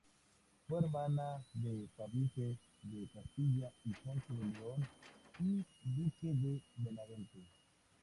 Fue hermana de Fadrique de Castilla y Ponce de León, I duque de Benavente.